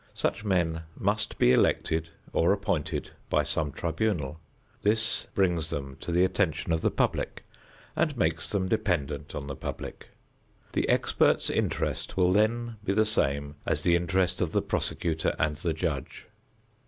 Such men must be elected or appointed by some tribunal. This brings them to the attention of the public and makes them dependent on the public. The expert's interest will then be the same as the interest of the prosecutor and the judge.